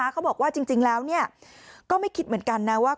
เขาบอกว่าจริงแล้วก็ไม่คิดเหมือนกันนะว่า